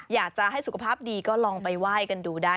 อยากจะให้สุขภาพดีก็ลองไปไหว้กันดูได้